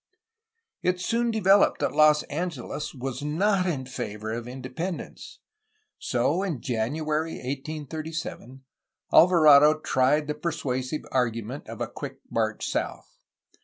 ' It soon developed that Los Angeles was not in favor of independence. So in January 1837 Alvarado tried the per suasive argument of a quick march south.